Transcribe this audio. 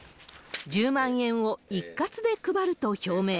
１０万円を一括で配ると表明。